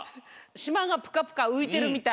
しまがプカプカういてるみたい。